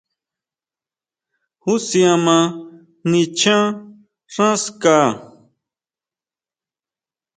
¿Jusian ma nichán xán ska?